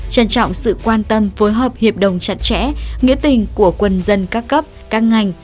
trân trọng sự quan tâm phối hợp hiệp đồng chặt chẽ nghĩa tình của quân dân các cấp các ngành